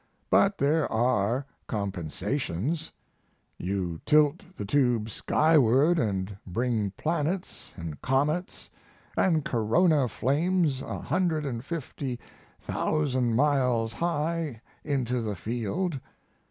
But there are compensations. You tilt the tube skyward & bring planets & comets & corona flames a hundred & fifty thousand miles high into the field.